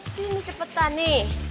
sini cepetan nih